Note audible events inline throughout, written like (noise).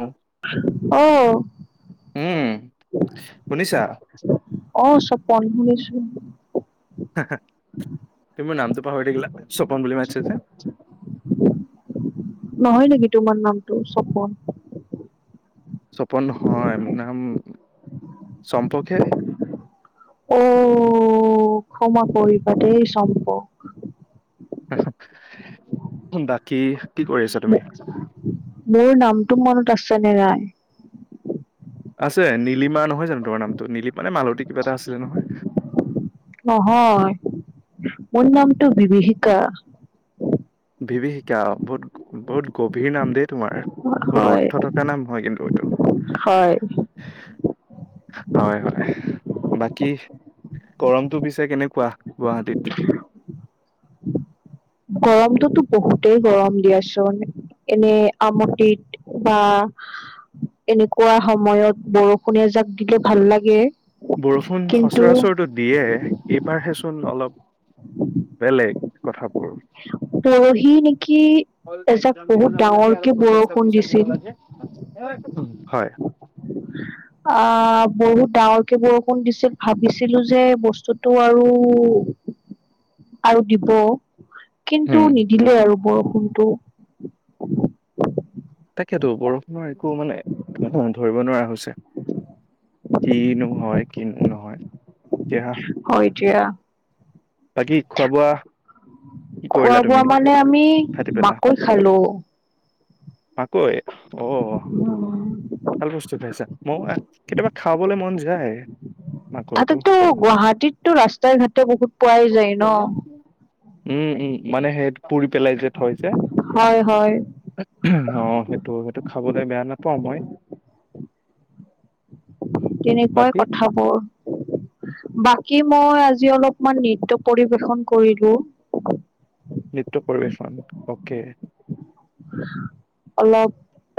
উম, অহ। শুনিছা? অ চব পন্ধছ। তুমি মোৰ নামটো পাহৰি থাকিলা? সপন বুলি মাতিছা যে। (unintelligible) তোমাৰ নামটো চপোন। চপন নহয় মোৰ নাম চম্পকহে। অ ক্ষমা কৰিবা দেই চম্পক। বাকি। মোৰ নামটো মনত আছে নে নাই? আছে নীলিমা নহয় জানো তোমাৰ নামটো? নীলিমা নে মালতী কিবা এটা আছিলে নহয়? নহয় মোৰ নামটো বিভীষিকা ভিভিশিকা বহুত বহুত গভীৰ নাম দে। তোমাৰ বহুত হয় অৰ্থ থকা নাম হয় কিন্তু এইটো। হয় হয় হয়। বাকী গৰমটো পিছে কেনেকুৱা গুৱাহাটীত? গৰমটোতো বহুতেই গৰম দিয়াচোন এনে আমটিত বা এনেকুৱা সময়ত বৰষুণ এজাক দিলে ভাল লাগে। বৰষুণ কিন্তু সচৰাচৰটো দিয়ে এইবাৰহেচোন অলপ বেলেগ। কথাপোৰ। ৰহি নেকি? এজাক এক্সাম দিব বহুত যাব লাগে আৰু ডাঙৰকে প্ৰজেক্ট বৰষুণ সৱমেচন দিব দিছিল লাগে হয় অ বহুত ডাঙৰকে বৰষুণ দিছিল ভাবিছিলো যে বস্তুতটো আৰু আৰু দিব। কিন্তু উম। নিদিলে আৰু বৰষুণটো। তাকেতো বৰষুণৰ একো মানে ধৰিব নোৱাৰা হৈছে। কিনো হয় কিনো নহয়? এতিয়া হয় দিয়া। বাকী খোৱা বোৱা? কি কৰিলা খোৱা বোৱা তুমি মানে আমি ৰাতি পেলা মাকৈ খালো। মাকৈ অ ভাল বস্তু খায়চা ম কেতিয়াবা খাবলৈ মন যায়। মাকৈটো তাতেতো গুৱাহাটীততো ৰাস্তাই ঘাট বহুত পোৱাই যায় ন? উ মানে সেই পুৰি পেলাই যে থৈ যে হয় হয় অ সেইটো সেইটো খাবলৈ বেয়া নাপাওঁ মই। তেনেকুৱাই বাকী কথাবোৰ বাকী মই আজি অলপমান নিত্য পৰিবেশন কৰিলো। নৃত্য পৰিবেশন অকে। অলপ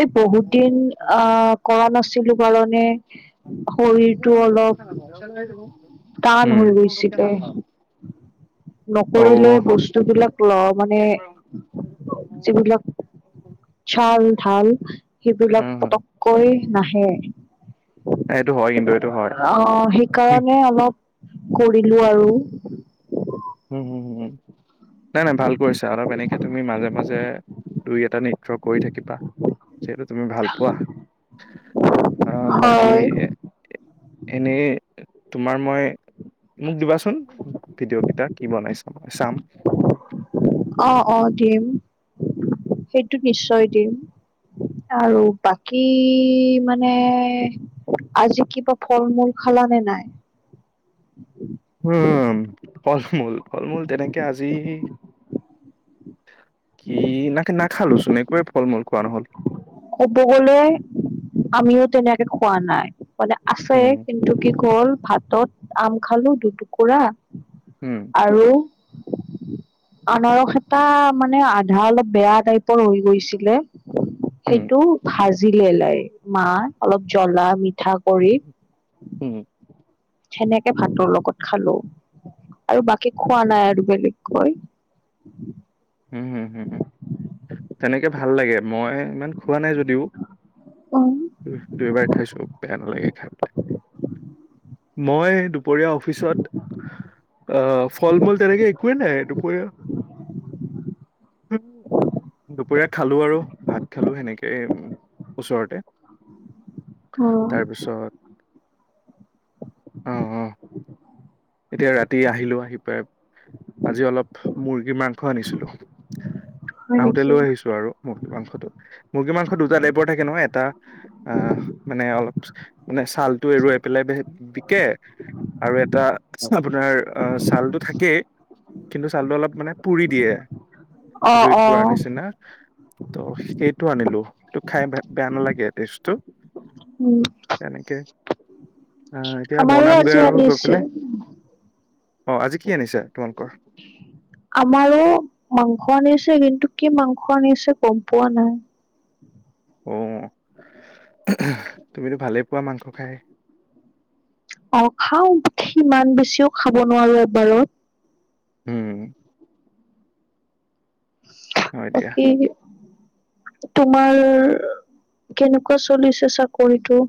এই বহুত দিন আহ কৰা নাছিলো কাৰণে শৰীৰটো অলপ (unintelligible) টান হৈ গৈছিলে। উম অ নকৰিলে বস্তু বিলাক লওঁ মানে যিবিলাক ছাল ঢাল সেইবিলাক উম পটককৈ নাহে। এইটো হয় কিন্তু এইটো হয়। অ সেইকাৰণে অলপ কৰিলো আৰু। উম হম হুম নাই নাই ভাল কৰিছা অলপ এনেকে তুমি মাজে মাজে যে দুই এটা নৃত্য কৰি থাকিবা যিহেতু তুমি ভাল পোৱা। অ বাকি হয় এনেই তোমাৰ মই মোক দিবাচোন ভিডিঅ' কেইটাক। কি বনাইছ মই চাম। অ অ দিম সেইটো নিশ্চয় দিম। আৰু বাকী মানে আজি কিবা ফল মূল খালা নে নাই? উম ফল মূল ফল মূল তেনেকে আজি কি নাকে নাখালোচোন একোৱেই ফল মূল খোৱা নহ'ল। ক'ব গলে আমিও তেনেকে খোৱা নাই মানে আছে উম কিন্তু কি কল, ভাতত আম খালো দুটুকুৰা উম আৰু (inaudible) আনাৰস এটা মানে আধা অলপ বেয়া টাইপৰ হৈ গৈছিলে। উম সেইটো ভাজিলে লাই, মাহ অলপ জ্বলা মিঠা কৰি। হম। সেনেকে ভাতৰ লগত খালো আৰু বাকী খোৱা নাই আৰু বেলেগকৈ। (inaudible) উম হম হ, তেনেকে ভাল লাগে মই ইমান খোৱা নাই যদিও। উম দুইবাৰ খাই চব বেয়া নালাগে খাই পেলাই। মই দুপৰীয়া অফিচত। আহ ফল মূল তেনেকে একোৱেই নাই দুপৰীয়া। উম। দুপৰীয়া খালো আৰু ভাত খালো সেনেকেই ওচৰতে। অ তাৰপিছত। অ অ এতিয়া ৰাতি আহিলো আহি পাই। আজি অলপ মুৰ্গীৰ মাংস আনিছিলো। হয় আহোতে নেকি লৈ আহিছো আৰু মুৰ্গী মাংসটো। মুৰ্গী মাংস দুটা টাইপৰ থাকে ন এটা, অ মানে অলপ মানে ছালটো এৰুৱাই পেলাই। বিকে, আৰু এটা। আপোনাৰ অ ছালতটো থাকেই, কিন্তু ছালটো অলপ মানে পুৰি দিয়ে। অ জুইত অ পুৰা নিচিনা। ত সেইটো আনিলো, তো খাই বেয়া নালাগে টেজটো। তেনেকে। অ এতিয়া আমাৰো বনাম গৈ আজি আৰু গৈ আনিছে পলায়। অ আজি কি আনিছে তোমালোকৰ। আমাৰো, মাংস আনিছে কিন্তু কি মাংস আনিছে গম পোৱা নাই। (inaudible) অ, তুমিতো ভালেই পোৱা মাংস খাই। অ খাও সিমান বেছিও খাব নোৱাৰো এবাৰত। হম। হয় দিয়া। বাকী। তোমাৰ, কেনেকুৱা চলিছে চাকৰিটো।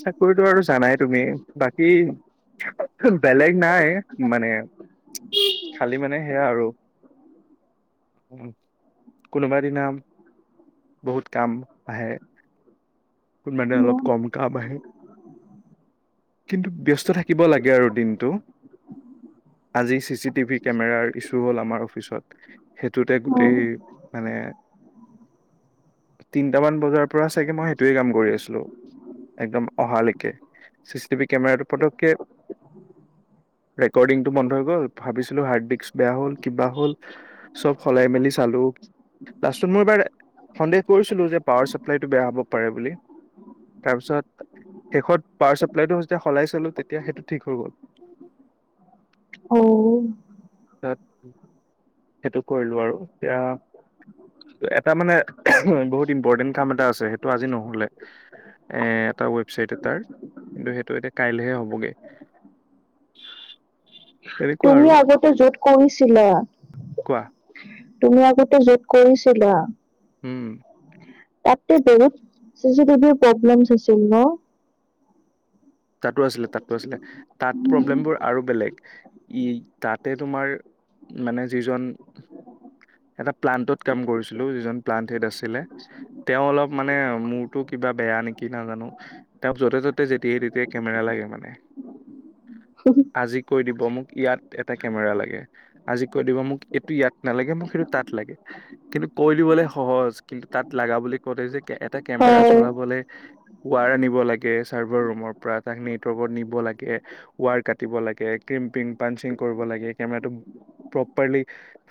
চাকৰিতটো আৰু জানাই তুমি বাকী, বেলেগ। নাই মানে, খালি মানে সেয়া আৰু। কোনোবা দিনা। বহুত কাম আহে। মানে অলপ উম কম কাম আহে।। কিন্তু ব্যস্ত থাকিব লাগে আৰু দিনতটো। উ। ‌ আজি চিচি টিভি কেমেৰাৰ ইছো হ'ল আমাৰ অফিচত সেইটোতে গোটেই মানে। উ। (unintelligible) তিনটামান বজাৰ পৰা চাগে মই সেইটোয়ে কাম কৰি আছিলো, একদম অহালৈকে। চিচি টিভি কেমেৰা পতকে। উ। (unintelligible) ৰেকৰ্ডিংটো বন্ধ হৈ গল ভাবিছিলো হাৰ্ড ডিস্ক বেয়া হ'ল, কিবা হলব সলাই মেলি। মইবাৰ, সন্দেহ কৰিো যে পাৱ চাপ্লাইটো বে হ'ব। পাৰে বুলি। তাৰপিছত শেষত পাৱাৰ চাপ্লাইটো যেতিয়া সলাই চলো তেতিয়া সেইটো ঠিক হৈ গ'ল। অ। তাত সেইটো কৰিলো আৰু এতিয়া। এটা মানে বহুত ইম্পৰ্টেণ্ট কাম এটা আছে সেইটো আজি নহলে। এ এটা ৱেবচাইট এটাৰ কিন্তু সেইটো এতিয়া কাইলেহে হ'বগে। তেনেকুৱা তুমি আৰু আগতে য'ত কৰিছিলা। কোৱা তুমি আগতে যত কৰিছিলা। উম। তাতে বহুত চিচি টিভিৰ প্ৰব্লেম আছিল ন? তাতো আছিলে তাতো আছিলে তাত প্ৰব্লেমবোৰ আৰু বেলেগ। ই তাত তাতে তোমাৰ মানে যিজন। এটা প্লান্তত কাম কৰিছিলো, যিজন প্লান্ত হেড আছিলে তেওঁ অলপ। মানে মোৰতো কিবা বেয়া নেকি? নাজানো, তেওঁক য'তে ত'তে যেতিয়াই তেতিয়াই। আজি কৈ দিব মোক ইয়াত এটা কেমেৰা লাগে। আজি কৈ দিব মোক এইটো ইয়াত নালাগে মোক সেইটো তাত লাগে। কিন্তু কৈ দিবলে সহজ কিন্তু তাত লাগ লগা বুলি কওঁতেই যে এ কেমেৰা হয় চলাবলে ৱাৰ আনিব লাগে চাৰ্ভাৰ ৰুমৰ। তাক নেটৱৰ্কত নিব লাগে ৱাৰ কাটিব লাগে কিম্পিং পাঞ্চিং কৰিব লাগে কেমেৰাটো। প্ৰপাৰলী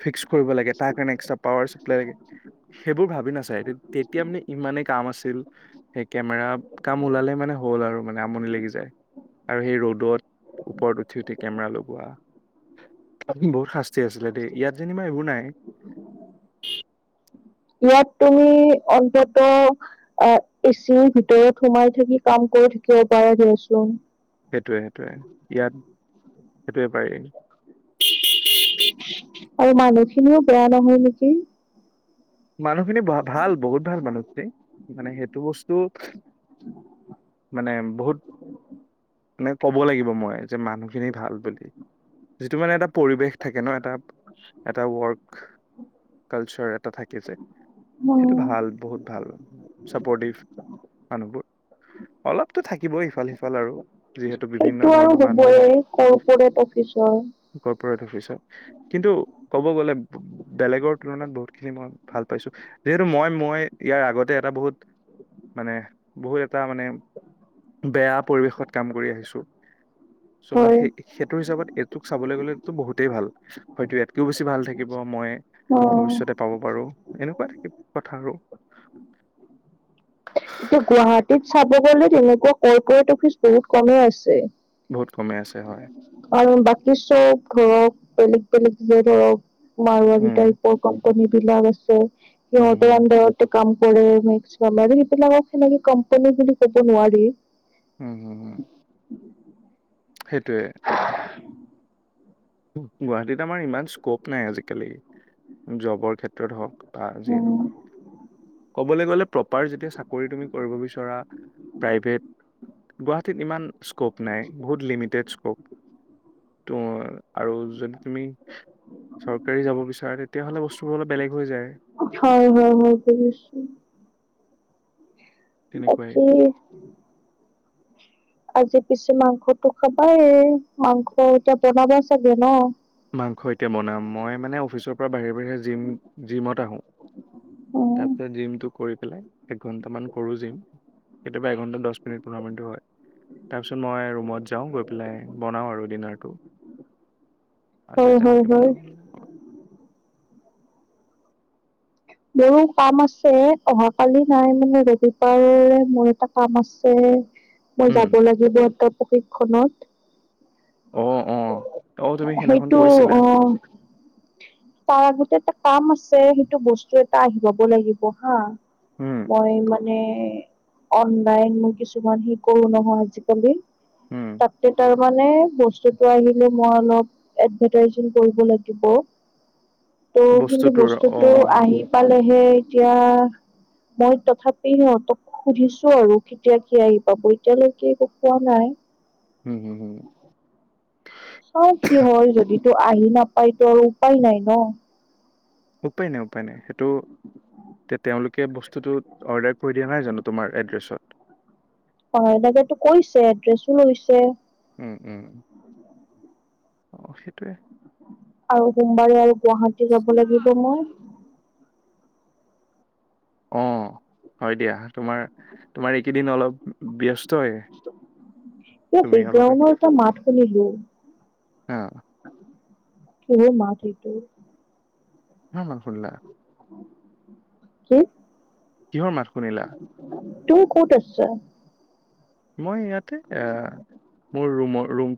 ফিক্স কৰিব লাগেম তাৰ কাৰণে এক্সট্ৰা পাৱাৰ চাপ্লাই লাগিব। সেইবোৰ ভাবি নাচাই, তেতিয়া মানে ইমানে কাম আছিল সেই কেমেৰা কাম ওলালে মানে। হ'ল আৰু। মানে আমনি লাগি যাই। আৰু সেই ৰদত ওপৰত উঠি উঠি কেমেৰা লগোৱা। বহুত শাস্তি আছিলে দেই। ইয়াত যেনিবা এইবোৰ নাই। ইয়াত তুমি অন্তত আ এচিৰ ভিতৰত সোমাই থাকি কাম কৰি থাক। পৰা দে ছোঁন। সেইটোৱে সেইটোৱে ইয়াত সেইটোৱে পাৰি। আৰু মানুহ খিনিও বেয়া নহয় নেকি? মানুহ খিনি ভাল বহুত ভাল মানুহখিনি। মানে সেইটো বস্তু। (unintelligible) মানে বহুত। (unintelligible) মানে ক'ব লাগিব মই যে মানুহখিনি ভাল বুলি। যিটো মানে এটা পৰিৱেশ থাকে ন এটা এটা ৱৰ্ক কালচাৰ এটা থাকে। অ সেইটো ভাল বহুত ভাল চাপৰ্টিভ মানুহবোৰ। অলপতো থাকিবই ইফাল সিফাল আৰু যিহেতু বিভিন্ন ধৰণৰ মানুহ। অফিছৰ প্ৰ অফিচত কিন্তু ক'ব গ'লে বেলেগৰ তুলনাত বহুতখিনি মই ভাল পাইছো। যিহেতু মই মই ইয়াৰ আগতে এটা বহুত মানে বহুত এটা মানে বেয়া পৰিৱেশত কাম কৰি আহিছো। চ মই হয় সেই সেইটো হিচাপত এইটোক চাবলৈ গ'লেতো বহুতেই ভাল। হয়তো ইয়াত কিয় বেছি ভাল থাকিব মই অ ভৱিষ্যতে পাব পাৰোঁ। এনেকুৱা থাকিব কথা আৰু এতিয়া গুৱাহাটীত চাব গলে তেনেকুৱা কৰ্পৰেট অফিচ বহুত কমেই আছে। বহুত কমে আছে হয়। চ ধৰক বেলেগ বেলেগ যে ধৰক মাৰোৱাৰী উম টাইপৰ কাম। কমিপিলাক আছে উম সিহঁতৰ হম আন্ধাৰতে কাম (unintelligible) কোম্পানী বুলি কব নোৱাৰি। উম হম হম। সেইটোৱে গুৱাহাটীত আমাৰ ইমান স্কোপ নাই আজিকালি। জবৰ ক্ষেত্ৰত হওক বা জি উম নহওঁক। কবলে গলে প্ৰপাৰ যদি চাকৰি তুমি কৰিব বিচৰা প্ৰাইভেট গুৱাহাটীত ইমান স্কোপ নাই। বহুত লিমিটেড স্কোপ। ত আৰু যদি তুমি চৰকাৰী যাব বিচাৰ হয় হয় হয়ছো। তেনেকুৱাই বাকী আজি পিছে মাংসতটো খাবাই, মাংস এতিয়া বনাব চাগে ন। মাংস এতিয়া বনাম, মই মানে অফিচৰ পৰা বাহিৰে বাহিৰে জিম জিমত আহো। উম তাৰপিছত জিমটো কৰি, এক ঘন্টা মান কৰো জিম কেতিয়াবা এঘন্টা দশ মিনিট পোন্ধৰ মিনিট হয়, তাৰ পিছত মই ৰুমত যাওঁ, গৈ পেলাই বনাওঁ আৰু ডিনাৰটো। হয় আজিও হয় তেনেকে হয় বনাম। মোৰো কাম আছে, অহাকালি নাই মানে ৰবিবাৰে মোৰ এটা কাম আছে। মই যাব লাগিব এটা প্ৰশিক্ষণত। অ অ অ তুমি সেইদিনাখন সেইটো কৈছিলা অ তাৰ আগত, এটা কাম আছে সেইটো বস্তু এটা আহি পাব লাগিব হা, উম মই মানে মানে অনলাইন মই কিছুমান সে কৰো নহয় আজিকালি। উম তাতে তাৰমানানে বস্তুতটো আহিলে মই অলপ এডভাৰটাইজিং কৰিব লাগিব, ত কিন্তু বস্তুটোৰ অ বস্তুটো অ আহি পালেহে এতিয়া, মই তথাপি সিহঁতক সুধিছো আৰু কেতিয়া কি আহি পাব, এতিয়ালৈকে একো পোৱা নাই। উম উম উম চাও কি হয় যদি তো আহি নাপাইতো আৰু উপায় নাই ন। উপায়নে উপায়নে সেইটো, তে তেওঁলোকে বস্তুটো অৰ্ডাৰ কৰি দিয়া নাই জানো তোমাৰ এড্ৰেছত। অৰ্ডাৰ টো তহ কৈছে এড্ৰেছো লৈছে। উম উম, অ সেইটোৱে আৰু সোমবাৰে আৰু গুৱাহাটী যাব লাগিব মই, অ হয় দিয়া তোমাৰ, তোমাৰ এইকেইদিন অলপ ব্যস্ত তই। এ বেকগ্ৰাউনৰ এটা মাত শুনিলো? হা কিহ মাত সেইটো? কা মাত শুনলা? কি? কিহৰ মাত শুনিলা? তো ক'ত আছা? মই ইয়াতে, এ মোৰ ৰুমৰ ৰুম।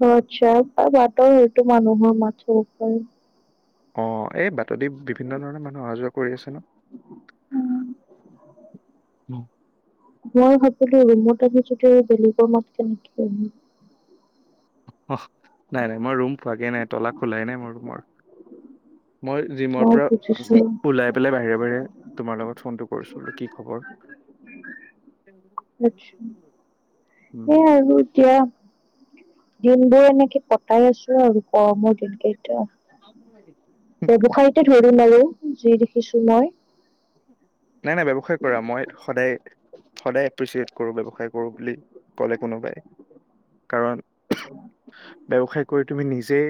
অহ আত্চ্ছা তপা আঁতৰি টো মানুহৰ মাত শুন ছো অ, এই বাত দি বিভিন্ন ধৰণৰ মানুহ অহা যোৱা কৰি আছে ন। (unintelligible) মই সকলো ৰুমত আহিছো বেলেগৰ মত কেনেকে শুনিম। অ নাই নাই মই ৰুম পোৱাগে নাই তলা খোলাই নাই মোৰ ৰুমৰ। মই জিমৰ অ' পৰা বুজিছো। ওলাই পেলাই বাহিৰে বাহিৰে তোমাৰ লগত ফোনটো কৰিছো, কি খবৰ? আত্চ্ছা হেই উম আৰু এতিয়া, দিনবোৰ এনেকে কটাই আছো আৰু গৰমৰ দিন কেইটা। ব্যৱসায়টো ধৰিম নলও যি দেখিছো মই। নাই নাই ব্যৱসায় কৰা মই সদায় সদায় এপ্ৰিচিয়েট কৰোঁ ব্যৱসায় কৰোঁ বুলি, ক'লে কোনোবাই কাৰণ, ব্যৱসায় কৰি তুমি নিজে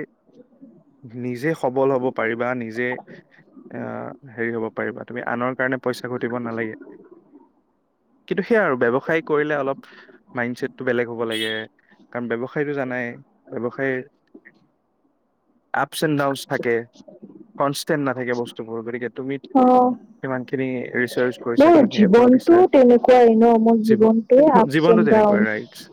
নিজে সবল হ'ব পাৰিবা, নিজে এ হেৰি হ'ব পাৰিবা। তুমি আনৰ কাৰণে পইচা ঘটিব নালাগে। কিন্তু সেইয়া আৰু কৰিলে অলপ মাইণ্ড ছেটটো বেলেগ হব লাগে। কাৰণ ব্যৱসায়টো জানাই ব্যৱসায়, আপচ এণ্ড ডাউন থাকে, কনষ্টেণ্ট নাথাকে বস্তুবোৰ গতিকে তুমি অ' কিমানখিনি ৰিচাৰ্চ কৰিছা মোৰ কিমানখিনি এফৰ্ট জীৱনটো দিছা, তেনেকুৱাই ন মোৰ জী জীৱনটোৱে আপচ এণ্ড জীৱনতটো যেনে। ডাউন। বা ৰাইজ